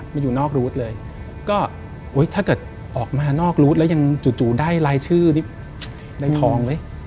อยู่นอกรูดเลยก็ถ้าเกิดออกมานอกรูดแล้วยังจู่ได้รายชื่อนี่ได้ทองเว้ย